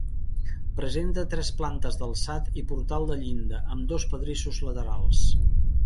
Presenta tres plantes d’alçat i portal de llinda, amb dos pedrissos laterals.